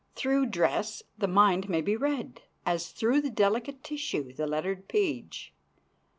Through dress the mind may be read, as through the delicate tissue the lettered page.